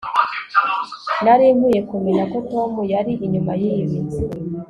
nari nkwiye kumenya ko tom yari inyuma yibi